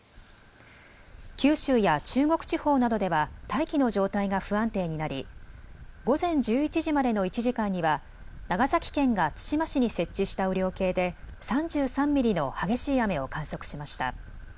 九州や中国地方などでは大気の状態が不安定になり午前１１時までの１時間には長崎県が対馬市に設置した雨量計で３３ミリの激しい雨を観測しました。